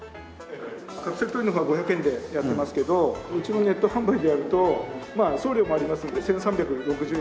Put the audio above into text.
カプセルトイの方は５００円でやってますけどうちのネット販売でやるとまあ送料もありますので１３６０円で。